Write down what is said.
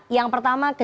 yang pertama kejuaraan